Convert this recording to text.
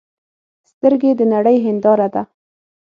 سترګې د نړۍ هنداره ده